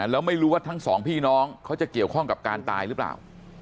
แล้วไม่รู้ว่าทั้งสองพี่น้องเขาจะเกี่ยวข้องกับการตายหรือเปล่า